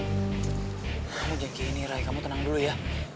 rai kamu jangan kira ini rai kamu tenang dulu ya